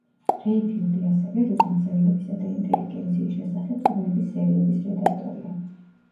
რეიფილდი ასევე რუსი მწერლებისა და ინტელიგენციის შესახებ წიგნების სერიების რედაქტორია.